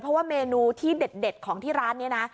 เพราะว่าเมนูที่เด็ดของที่ร้านนี้นะ